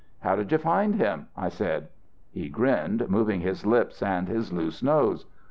"'How did you find him?' I said. "He grinned, moving his lip and his loose nose.